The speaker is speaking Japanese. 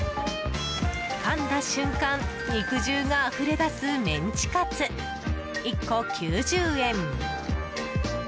かんだ瞬間、肉汁があふれ出すメンチカツ１個９０円。